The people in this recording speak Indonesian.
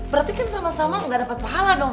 berarti kan sama sama gak dapat pahala dong